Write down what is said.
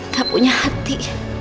gak punya hati